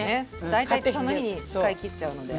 大体その日に使い切っちゃうので。